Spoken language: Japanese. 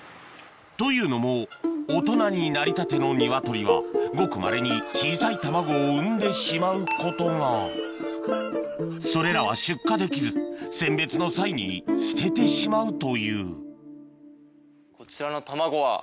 というのも大人になりたての鶏はごくまれに小さい卵を産んでしまうことがそれらは出荷できず選別の際に捨ててしまうというこちらの卵は？